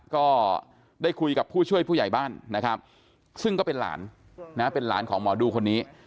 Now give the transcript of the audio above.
ก็ได้คุยกับผู้ช่วยผู้ใหญ่บ้านนะครับซึ่งก็เป็นหลานนะเป็นหลานของหมอดูคนนี้